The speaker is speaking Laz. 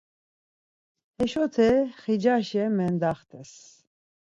Heşote xicaşa mendaxtes.